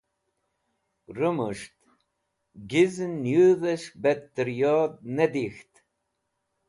Rẽmus̃ht gizẽn nẽyudhẽs̃h bet tẽryod ne dik̃ht.